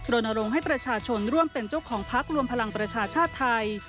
รณรงค์ให้ประชาชนร่วมเป็นเจ้าของพักรวมพลังประชาชาติไทย